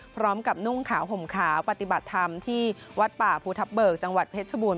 พร้อมกับนุ่งขาวห่มขาวปฏิบัติธรรมที่วัดป่าภูทับเบิกจังหวัดเพชรบูรณ